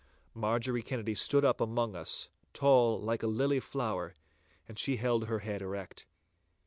Marjorie Kennedy stood up among us, tall like a lily flower, and she held her head erect.